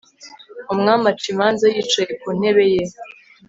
umwami aca imanza yicaye ku ntebe ye